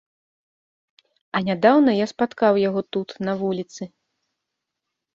А нядаўна я спаткаў яго тут на вуліцы.